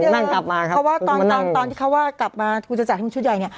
นั่นกลับมาครับเพราะว่าตอนตอนที่เขาว่ากลับมากูจะจัดให้คุณชุดใหญ่เนี่ย